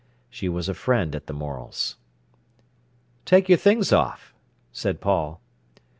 She was a friend at the Morel's. "Take your things off," said Paul.